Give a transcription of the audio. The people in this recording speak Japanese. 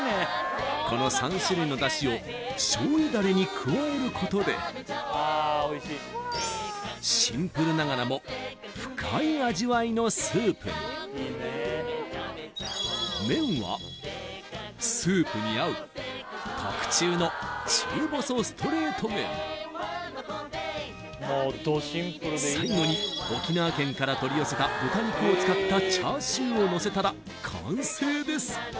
この３種類の出汁を醤油ダレに加えることでシンプルながらも深い味わいのスープに麺はスープに合う最後に沖縄県から取り寄せた豚肉を使ったチャーシューをのせたら完成です